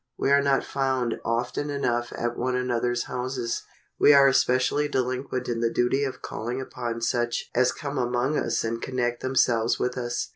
We are not found often enough at one another's houses. We are especially delinquent in the duty of calling upon such as come among us and connect themselves with us.